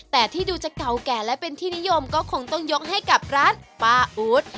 แต่ที่ดูจะเก่าแก่และเป็นที่นิยมก็คงต้องยกให้กับร้านป้าอู๊ด